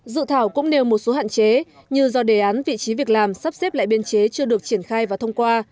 dự thảo cũng nêu một số hạn chế như do đề án vị trí việc làm sắp xếp lại biên chế chưa được triển khai và thông qua